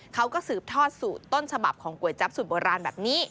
เขาก็สืบทอดสูตรต้นฉบับของก๋วยจั๊บสูตรโบราณแบบนี้